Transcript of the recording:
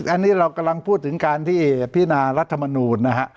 อันนี้เรากำลังพูดถึงการที่พินารัฐมนูลนะฮะ